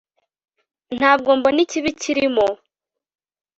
ntabwo mbona ikibi kirimo